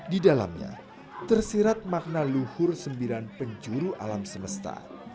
di dalamnya tersirat makna luhur sembilan penjuru alam semesta